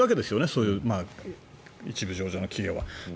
そういう１部上場の企業は。